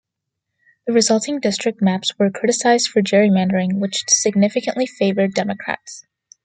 The resulting district maps were criticized for gerrymandering, which significantly favored Democrats.